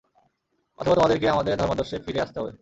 অথবা তোমাদেরকে আমাদের ধর্মাদর্শে ফিরে আসতে হবে।